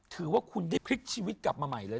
ถือว่าคุณได้พลิกชีวิตกลับมาใหม่เลย